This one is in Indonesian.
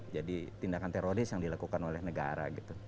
jadi tindakan teroris yang dilakukan oleh negara gitu